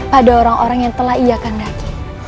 pada orang orang yang telah ijakan daki